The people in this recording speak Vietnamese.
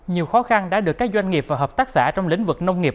nhiều khó khăn đã được các doanh nghiệp và hợp tác xã trong lĩnh vực nông nghiệp